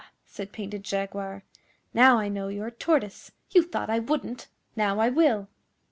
said Painted Jaguar. 'Now I know you're Tortoise. You thought I wouldn't! Now I will.